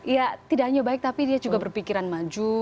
ya tidak hanya baik tapi dia juga berpikiran maju